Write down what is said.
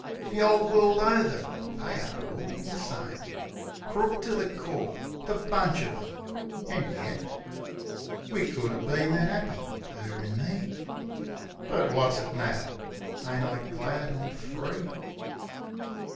The 'ole world over they are all the same: Crook to the core the bunch of 'em — an' yet. We could 'a' been that 'appy, 'er an' me ... But wot's it matter? Ain't I glad I'm free?